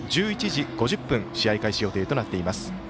１１時５０分試合開始予定となっています。